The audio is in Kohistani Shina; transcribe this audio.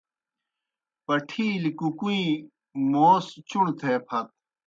پٹِھیلیْ کُکُوئیں موس چُݨوْ تھے پھت۔